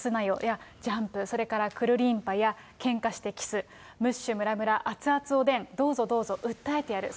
や、ジャンプ、くるりんぱや、けんかしてキス、ムッシュムラムラ、熱々おでん、どうぞどうぞ、訴えてやる！